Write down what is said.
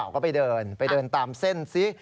ก็ไปเดินไปเดินตามเส้นซิ